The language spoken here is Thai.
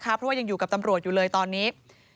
เพราะว่ายังอยู่กับตำรวจอยู่เลยตอนนี้